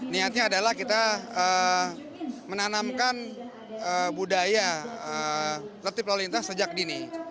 niatnya adalah kita menanamkan budaya tertib lalu lintas sejak dini